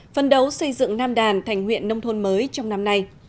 phân đấu xây dựng nam đàn thành huyện nông thôn mới trong năm nay